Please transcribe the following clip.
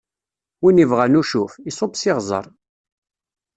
Win ibɣan ucuf, iṣubb s iɣzeṛ!